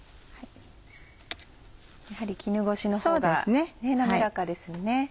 やはり絹ごしの方が滑らかですよね。